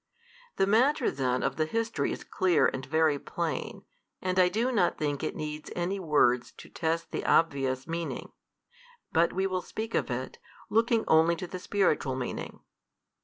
The matter then of the history is clear and very plain, and I do not think it needs any words to test the obvious meaning: but we will speak of it, looking only to the spiritual meaning.